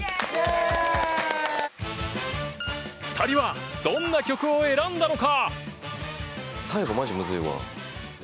２人はどんな曲を選んだのか？